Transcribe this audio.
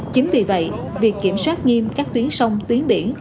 chính vì vậy việc kiểm soát nghiêm các tuyến sông tuyến biển